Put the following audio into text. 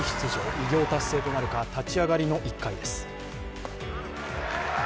偉業達成となるか、立ち上がりの１回です。